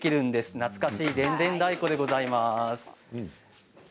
懐かしいでんでん太鼓でございます。